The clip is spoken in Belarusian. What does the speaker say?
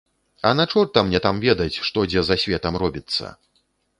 А на чорта мне там ведаць, што дзе за светам робіцца.